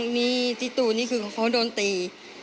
ที่ตูดนี้คือเขาโดนตี